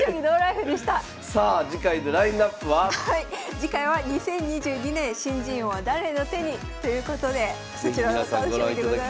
次回は「２０２２年新人王は誰の手に⁉」ということでそちらも楽しみでございます。